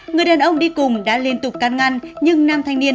người đàn ông đi cùng đã liên tục can ngăn